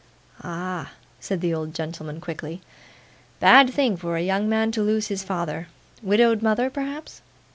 'Ah!' said the old gentleman quickly. 'Bad thing for a young man to lose his father. Widowed mother, perhaps?